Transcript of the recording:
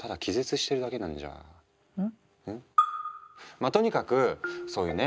まあとにかくそういうね